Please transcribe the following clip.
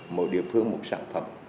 mỗi địa phương một sản phẩm